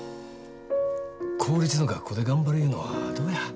公立の学校で頑張るいうのはどうや？